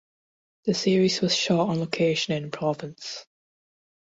The series was shot on location in Provence.